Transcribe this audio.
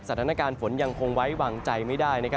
แสนดังนาการฝนยังขงไว้หวางใจไม่ได้นะครับ